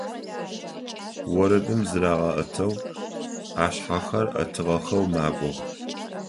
Орэдым зырагъэӀэтэу, ашъхьэхэр Ӏэтыгъэхэу макӀох.